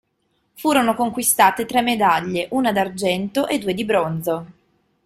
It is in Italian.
Furono conquistate tre medaglie: una d'argento e due di bronzo.